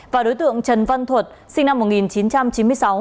và đối tượng trần văn thuật sinh năm một nghìn chín trăm chín mươi sáu